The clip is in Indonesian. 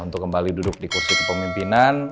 untuk kembali duduk di kursi kepemimpinan